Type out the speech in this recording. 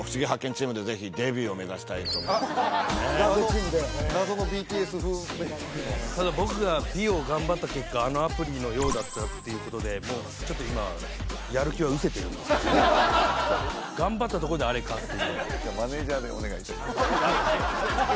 チームでぜひデビューを目指したいと思いますね謎のＢＴＳ風メイクであと僕が美を頑張った結果あのアプリのようだったっていうことでもうちょっと今やる気はうせてるんですけどね頑張ったところであれかっていうじゃあマネージャーでお願いいたします